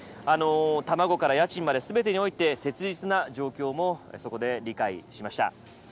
卵から家賃まで、すべてにおいて切実な状況もそこで理解しました。